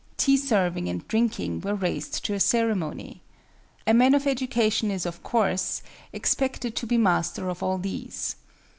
Tea serving and drinking were raised to a ceremony. A man of education is, of course, expected to be master of all these.